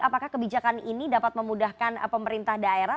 apakah kebijakan ini dapat memudahkan pemerintah daerah